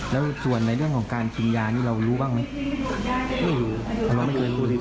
ไม่รู้นะไม่รู้กันเพราะว่ายาลดความอ้วนด้วย